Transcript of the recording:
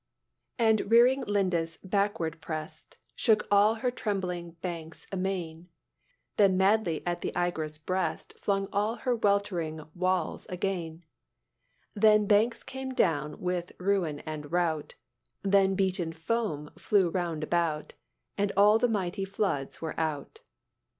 "And rearing Lindis backward pressed, Shook all her trembling bankes amaine, Then madly at the eygre's breast Flung up her weltering walles againe, Then banks came down with ruin and rout, Then beaten foam flew round about, And all the mighty floods were out.